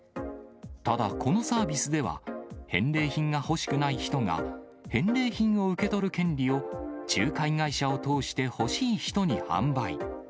ただ、このサービスでは、返礼品が欲しくない人が返礼品を受け取る権利を、仲介会社を通して欲しい人に販売。